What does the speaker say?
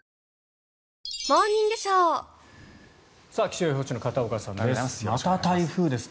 気象予報士の片岡さんです。